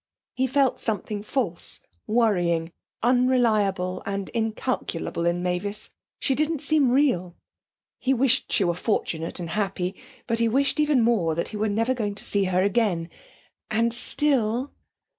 He felt something false, worrying, unreliable and incalculable in Mavis. She didn't seem real.... He wished she were fortunate and happy; but he wished even more that he were never going to see her again. And still!...